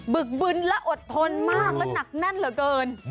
ึกบึนและอดทนมากและหนักแน่นเหลือเกิน